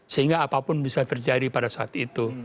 sehingga apapun bisa terjadi pada saat itu